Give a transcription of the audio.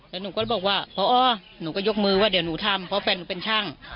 แล้วหนูก็บอกว่าพอหนูก็ยกมือว่าเดี๋ยวหนูทำเพราะแฟนหนูเป็นช่าง